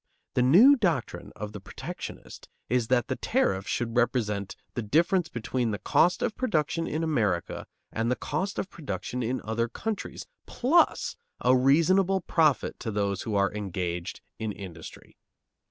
The new doctrine of the protectionist is that the tariff should represent the difference between the cost of production in America and the cost of production in other countries, plus a reasonable profit to those who are engaged in industry.